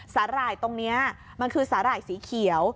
หร่ายตรงนี้มันคือสาหร่ายสีเขียว